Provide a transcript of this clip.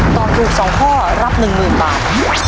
ตอบถูกสองข้อรับหนึ่งหมื่นบาท